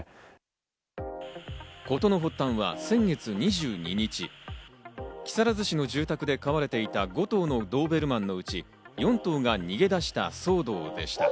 事の発端は先月２２日、木更津市の住宅で飼われていた５頭のドーベルマンのうち４頭が逃げ出した騒動でした。